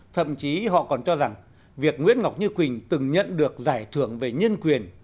thậm chí họ còn cho rằng việc nguyễn ngọc như quỳnh từng nhận được giải thưởng về nhân quyền